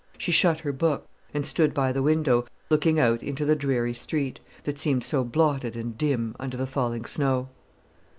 She shut her book, and stood by the window, looking out into the dreary street, that seemed so blotted and dim under the falling snow.